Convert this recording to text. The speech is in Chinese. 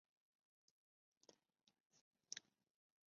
伦敦是世界顶尖的旅游都市之一。